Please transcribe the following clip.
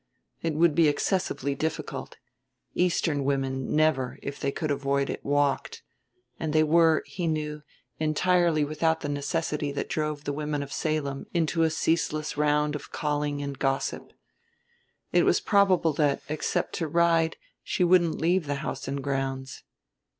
It would be excessively difficult. Eastern women never, if they could avoid it, walked; and they were, he knew, entirely without the necessity that drove the women of Salem into a ceaseless round of calling and gossip. It was probable that, except to ride, she wouldn't leave the house and grounds.